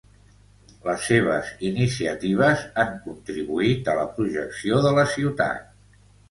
Les seves iniciatives han contribuït a la projecció de la ciutat.